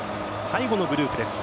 Ｈ最後のグループです。